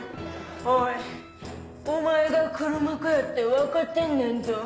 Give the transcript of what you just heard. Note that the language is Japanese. おいお前が黒幕やって分かってんねんぞ。